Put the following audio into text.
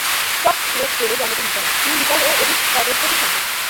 স্টট রোচডেলে জন্মগ্রহণ করেন। তিনি রিচার্ড ও এডিথ স্টটের প্রথম সন্তান।